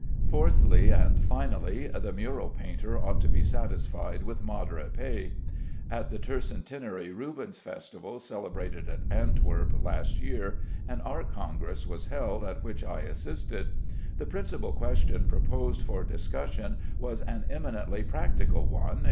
Fourthly and finally, the mural painter ought to be satisfied with moderate pay. At the Tercentenary Rubens Festival celebrated at Antwerp, last year, an Art Congress was held, at which I assisted. The principal question proposed for discussion was an eminently practical one.